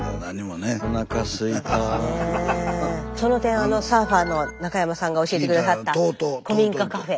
その点あのサーファーの中山さんが教えて下さった古民家カフェ。